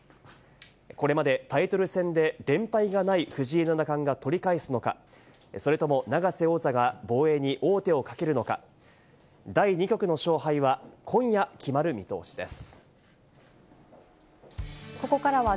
これまでタイトル戦で連敗がない藤井七冠が取り返すのか、それとも永瀬王座が防衛に王手をかけるのか、第２局の勝敗は今夜決まる見通しです。